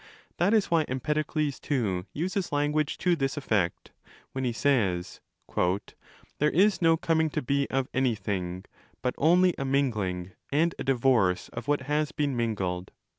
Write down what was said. That is why Empedokles too? uses language to.this effect, when he says 'There is no coming to be of anything, but only a mingling and a divorce of what has been mingled'.